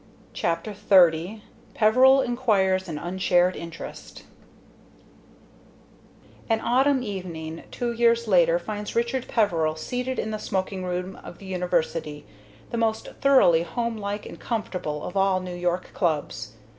CHAPTER XXX PEVERIL ACQUIRES AN UNSHARED INTEREST An autumn evening two years later finds Richard Peveril seated in the smoking room of the University, the most thoroughly home like and comfortable of all New York clubs.